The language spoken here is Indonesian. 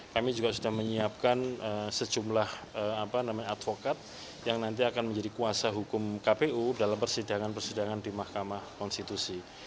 kami juga sudah menyiapkan sejumlah advokat yang nanti akan menjadi kuasa hukum kpu dalam persidangan persidangan di mahkamah konstitusi